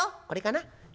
これかな？